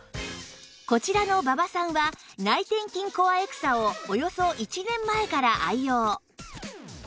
こちらの馬場さんは内転筋コアエクサをおよそ１年前から愛用